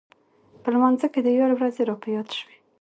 په لمانځه کې د یار ورځې راپه یاد شوې.